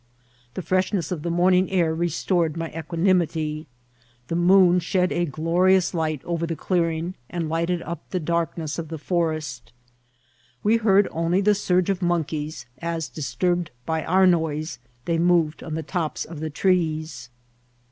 The fireshness of the morning air restored my equa^ nimity ; the moon shed a glorious light oyer the clear ing, and lighted up the darkness of the forest. We heard only the surge of monkeys, as, disturbed by our noise, they moved on the tops of the trees.